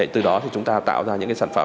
từ đó thì chúng ta tạo ra những cái sản phẩm